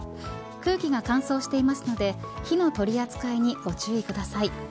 空気が乾燥していますので火の取り扱いにご注意ください。